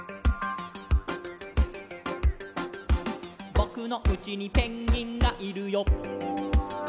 「ぼくのうちにペンギンがいるよ」